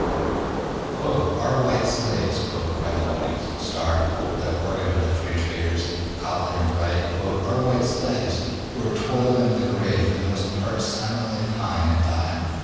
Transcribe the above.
'' ``Our white slaves,'' cried the ``Morning Star,'' the organ of the free traders, Cobden and Bright, ``our white slaves, who are toiled into the grave, for the most part silently pine and die.''